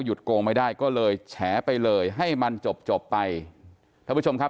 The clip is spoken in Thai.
โกงไม่ได้ก็เลยแฉไปเลยให้มันจบจบไปท่านผู้ชมครับ